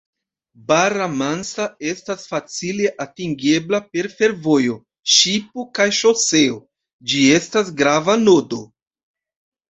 Barra Mansa estas facile atingebla per fervojo, ŝipo kaj ŝoseo, ĝi estas grava nodo.